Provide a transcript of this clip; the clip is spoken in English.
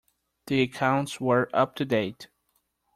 The accounts were up to date.